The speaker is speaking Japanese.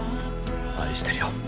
愛してるよ。